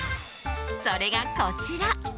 それがこちら。